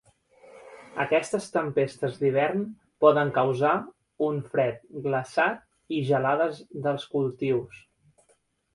Aquestes tempestes d'hivern poden causar un fred glaçat i gelades dels cultius.